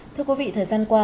thưa quý vị thời gian qua